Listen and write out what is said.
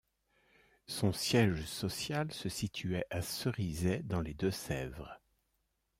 Son siège social se situait à Cerizay dans les Deux-Sèvres.